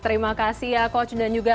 terima kasih ya coach dan juga